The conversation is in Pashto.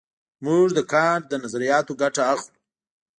موږ د کانټ له نظریاتو ګټه اخلو.